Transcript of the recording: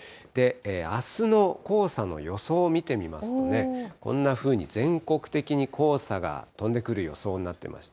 あすの黄砂の予想を見てみますとね、こんなふうに全国的に黄砂が飛んでくる予想になっています。